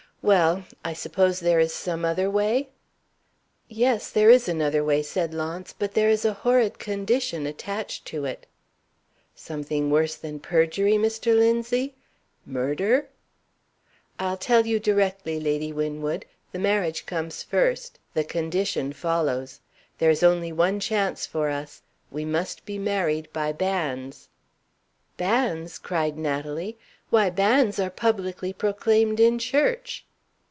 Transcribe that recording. Well! I suppose there is some other way?" "Yes, there is another way," said Launce. "But there is a horrid condition attached to it " "Something worse than perjury, Mr. Linzie? Murder?" "I'll tell you directly, Lady Winwood. The marriage comes first. The condition follows. There is only one chance for us. We must be married by banns." "Banns!" cried Natalie. "Why, banns are publicly proclaimed in church!"